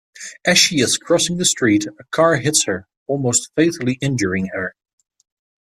As she is crossing the street, a car hits her, almost fatally injuring her.